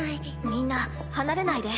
みんな離れないで。